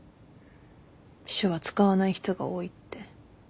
手話使わない人が多いって。